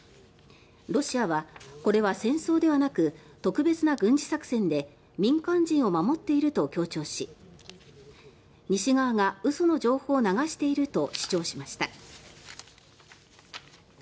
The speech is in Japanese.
ロシアはこれは戦争ではなく特別な軍事作戦で民間人を守っていると強調し西側が嘘の情報を流していると主張しました。